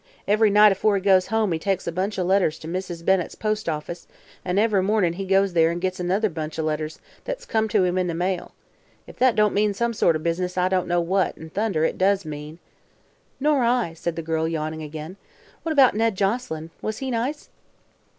Ev'ry night, afore he goes home, he takes a bunch o' letters to Mrs. Bennett's postoffice, an' ev'ry mornin' he goes there an' gits another bunch o' letters that's come to him in the mail. If that don't mean some sort o' business, I don't know what'n thunder it does mean." "Nor I," said the girl, yawning again. "What about Ned Joselyn? Was he nice?"